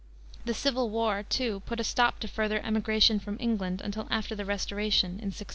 The Civil War, too, put a stop to further emigration from England until after the Restoration in 1660.